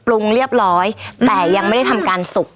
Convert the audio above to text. ปรุงเรียบร้อยแต่ยังไม่ได้ทำการสุก